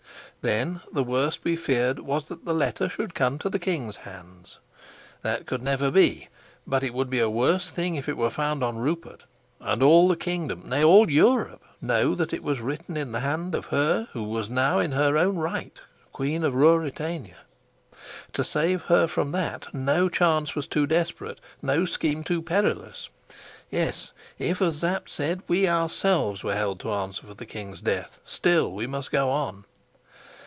Then the worst we feared was that the letter should come to the king's hands. That could never be. But it would be a worse thing if it were found on Rupert, and all the kingdom, nay, all Europe, know that it was written in the hand of her who was now, in her own right, Queen of Ruritania. To save her from that, no chance was too desperate, no scheme too perilous; yes, if, as Sapt said, we ourselves were held to answer for the king's death, still we must go on.